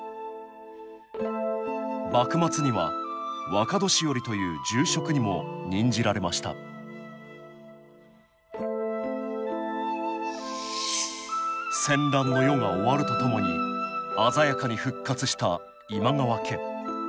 幕末には若年寄という重職にも任じられました戦乱の世が終わるとともに鮮やかに復活した今川家。